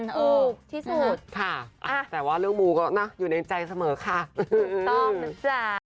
ถูกที่สุดค่ะแต่ว่าเรื่องมูก็นะอยู่ในใจเสมอค่ะถูกต้องนะจ๊ะ